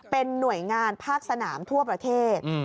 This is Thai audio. เป็นหน่วยงานภาคสนามทั่วประเทศ